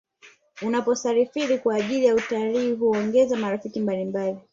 unaposarifiri kwa ajiri ya utalii huongeza marafiki mbalimbali